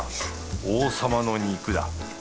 王様の肉だ。